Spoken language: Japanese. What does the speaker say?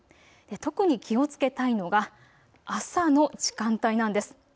特に気をつけたいのが朝の時間帯なんです。